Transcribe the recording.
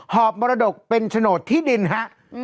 อบมรดกเป็นโฉนดที่ดินฮะ